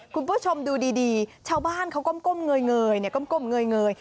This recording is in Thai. คุณผู้ชมดูดีเช้าบ้านเขาก้มเงย